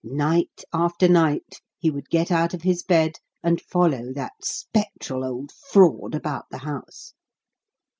Night after night, he would get out of his bed and follow that spectral old fraud about the house.